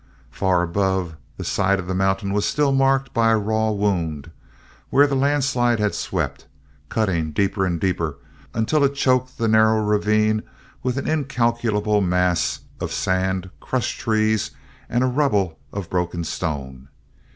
Far above, the side of the mountain was still marked by a raw wound where the landslide had swept, cutting deeper and deeper, until it choked the narrow ravine with an incalculable mass of sand, crushed trees, and a rubble of broken stone.